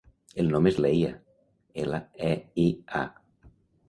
El nom és Leia: ela, e, i, a.